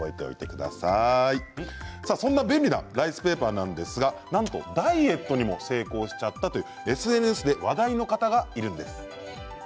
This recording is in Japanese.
そんな便利なライスペーパーなんですがなんとダイエットにも成功しちゃったというＳＮＳで話題の方がいるんです。